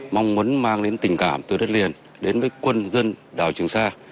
mong muốn mang đến tình cảm từ đất liền đến với quân dân đảo trường sa